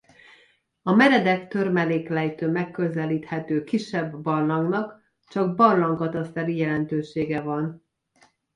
A meredek törmeléklejtőn megközelíthető kisebb barlangnak csak barlangkataszteri jelentősége van.